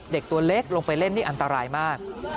ตัวเล็กลงไปเล่นนี่อันตรายมาก